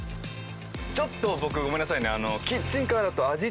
ちょっと僕ごめんなさいね。